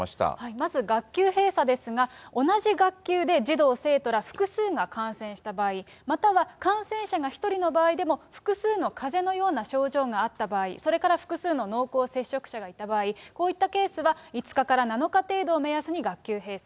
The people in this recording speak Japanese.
まず学級閉鎖ですが、同じ学級で児童・生徒ら複数が感染した場合、または感染者が１人の場合でも、複数のかぜのような症状があった場合、それから複数の濃厚接触者がいた場合、こういったケースは、５日から７日程度を目安に学級閉鎖。